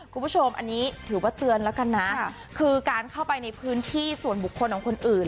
คุณผู้ชมอันนี้ถือว่าเตือนแล้วกันนะคือการเข้าไปในพื้นที่ส่วนบุคคลของคนอื่น